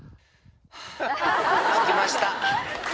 着きました。